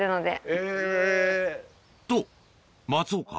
と松岡